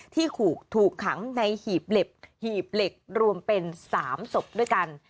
ที่ถูกขังในหีบเหล็กหีบเหล็กรวมเป็น๓ศพด้วยกัน